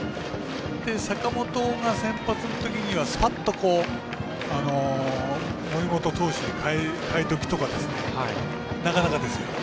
坂本が先発のときにはスパッと森本投手に代えるとかなかなかですよ。